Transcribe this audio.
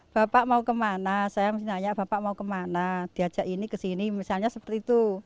bapak mau kemana saya mesti nanya bapak mau kemana diajak ini kesini misalnya seperti itu